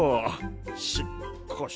しっかし